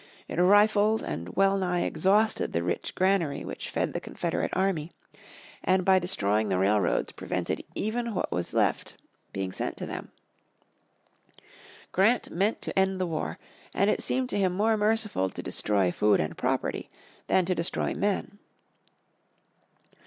It rifled and well nigh exhausted the rich granary which fed the Confederate army, and by destroying the railroads prevented even what was left being sent to them. Grant meant to end the war, and it seemed to him more merciful to destroy food and property than to destroy men.